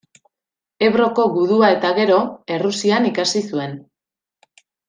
Ebroko gudua eta gero, Errusian ikasi zuen.